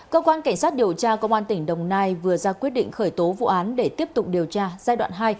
cơ quan cảnh sát điều tra công an tỉnh đồng nai vừa ra quyết định khởi tố vụ án để tiếp tục điều tra giai đoạn hai